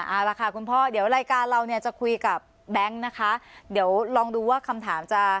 เอาละค่ะคุณพ่อเดี๋ยวรายการเราเนี่ยจะคุยกับแบงค์นะคะเดี๋ยวลองดูว่าคำถามจะ